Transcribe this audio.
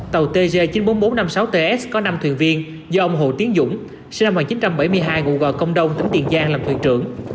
tàu tg chín mươi bốn nghìn bốn trăm năm mươi sáu ts có năm thuyền viên do ông hồ tiến dũng sinh năm một nghìn chín trăm bảy mươi hai ngụ công đông tỉnh tiền giang làm thuyền trưởng